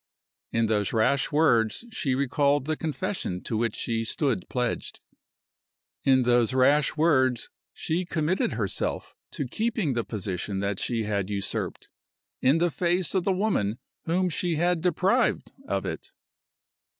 In those rash words she recalled the confession to which she stood pledged. In those rash words she committed herself to keeping the position that she had usurped, in the face of the woman whom she had deprived of it!